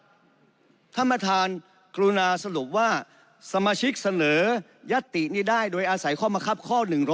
ท่านประธานกรุณาสรุปว่าสมาชิกเสนอยัตตินี้ได้โดยอาศัยข้อมะครับข้อ๑๐